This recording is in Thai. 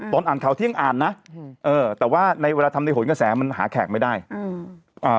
อ่านข่าวเที่ยงอ่านนะอืมเออแต่ว่าในเวลาทำในหนกระแสมันหาแขกไม่ได้อืมอ่า